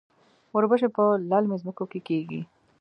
وربشې په للمي ځمکو کې کیږي.